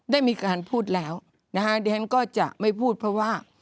ได้มีการพูดแล้วดิฉันก็จะไม่พูดเพราะว่า